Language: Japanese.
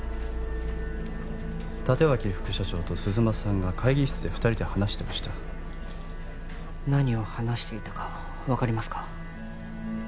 立脇副社長と鈴間さんが会議室で二人で話してました何を話していたか分かりますか？